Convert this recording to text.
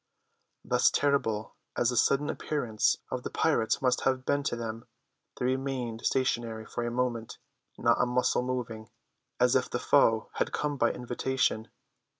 Thus terrible as the sudden appearance of the pirates must have been to them, they remained stationary for a moment, not a muscle moving; as if the foe had come by invitation.